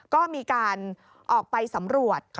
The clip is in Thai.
ก็มีการออกไปสำรวจ